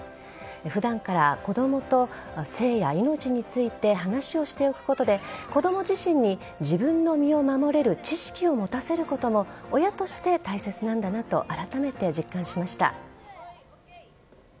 普段から子供と性や命について話をしておくことで子供自身に自分の身を守れる知識を持たせることも親として大切なんだなとあらためて実感しました。